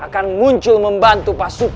kalau tak van ki mas